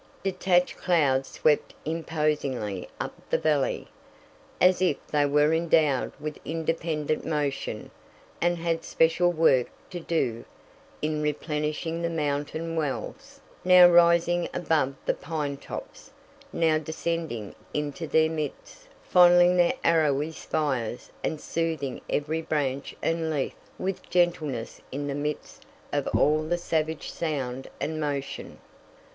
Detached clouds swept imposingly up the valley, as if they were endowed with independent motion and had special work to do in replenishing the mountain wells, now rising above the pine tops, now descending into their midst, fondling their arrowy spires and soothing every branch and leaf with gentleness in the midst of all the savage sound and motion.